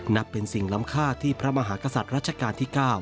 นับเป็นสิ่งล้ำค่าที่พระมหากษัตริย์รัชกาลที่๙